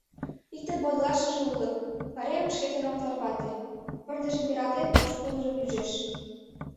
Иктын подылашыже уло — пайремым шкетын ок тарвате, пырдыжым пералтен, пошкудым ӱжеш.